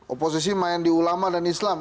oposisi main di ulama dan islam